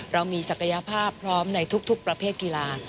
เรามีศักยภาพพร้อมในทุกประเภทกีฬา